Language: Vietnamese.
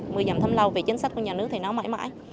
mười dặm thăm lâu về chính sách của nhà nước thì nó mệt mỏi